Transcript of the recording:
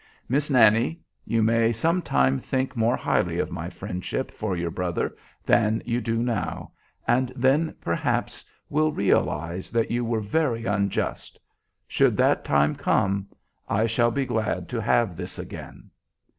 "Miss Nannie, you may some time think more highly of my friendship for your brother than you do now, and then, perhaps, will realize that you were very unjust. Should that time come I shall be glad to have this again."